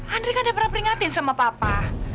andri kan udah pernah peringatin sama papa